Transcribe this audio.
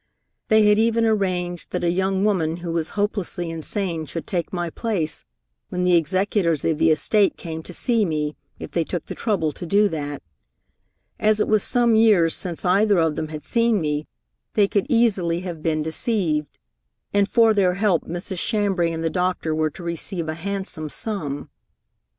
They had even arranged that a young woman who was hopelessly insane should take my place when the executors of the estate came to see me, if they took the trouble to do that. As it was some years since either of them had seen me, they could easily have been deceived. And for their help Mrs. Chambray and the doctor were to receive a handsome sum.